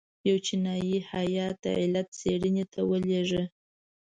یو چینایي هیات د علت څېړنې ته ولېږه.